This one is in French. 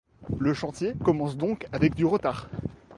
Le chantier commence donc avec du retard.